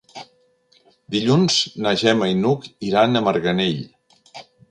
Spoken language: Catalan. Dilluns na Gemma i n'Hug iran a Marganell.